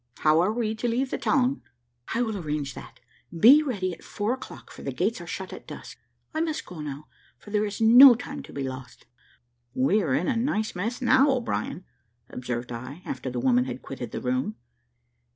"How are we to leave the town?" "I will arrange that; be ready at four o'clock, for the gates are shut at dusk. I must go now, for there is no time to be lost." "We are in a nice mess now, O'Brien," observed I, after the woman had quitted the room.